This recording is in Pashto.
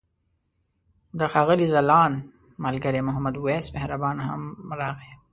د ښاغلي ځلاند ملګری محمد وېس مهربان هم راغی.